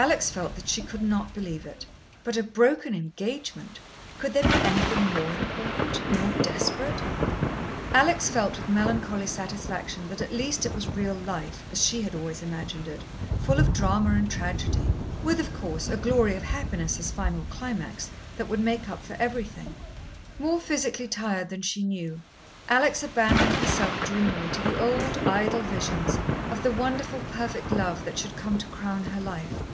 Alex felt that she could not believe it. But a broken engagement could there be anything more important, more desperate? Alex felt with melancholy satisfaction that at least it was real life, as she had always imagined it, full of drama and tragedy. With, of course, a glory of happiness as final climax, that would make up for everything.... More physically tired than she knew, Alex abandoned herself dreamily to the old, idle visions of the wonderful, perfect love that should come to crown her life.